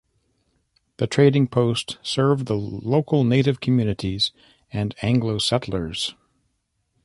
The trading post served the local Native communities and Anglo settlers.